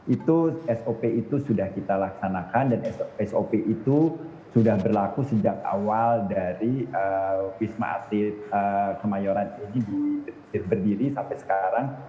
itu sop itu sudah kita laksanakan dan sop itu sudah berlaku sejak awal dari wisma atlet kemayoran ini berdiri sampai sekarang